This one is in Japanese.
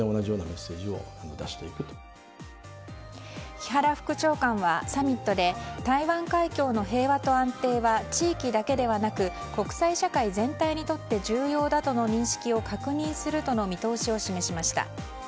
木原副長官はサミットで台湾海峡の平和と安定は地域だけではなく国際社会全体にとって重要だとの認識を確認するとの見通しを示しました。